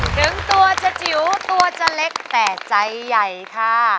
ถึงตัวจะจิ๋วตัวจะเล็กแต่ใจใหญ่ค่ะ